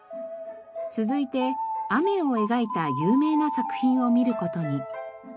続いて雨を描いた有名な作品を見る事に。